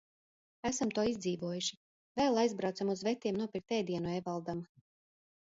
Esam to izdzīvojuši. Vēl aizbraucam uz vetiem nopirkt ēdienu Ēvaldam.